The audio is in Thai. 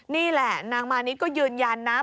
นี่แหละนางมานิดก็ยืนยันนะ